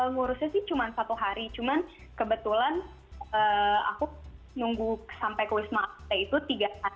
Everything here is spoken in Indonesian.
ngurusnya sih cuma satu hari cuman kebetulan aku nunggu sampai ke wisma atlet itu tiga hari